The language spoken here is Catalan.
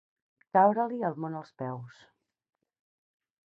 Caure-li el món als peus.